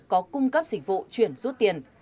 có cung cấp dịch vụ chuyển rút tiền